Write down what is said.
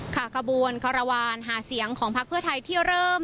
ขบวนคารวาลหาเสียงของพักเพื่อไทยที่เริ่ม